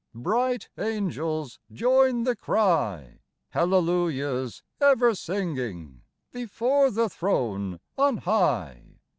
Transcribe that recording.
Bright angels join the cry : Hallelujahs ever singing Before the throne on high.